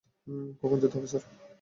কখন যেতে হবে, স্যার?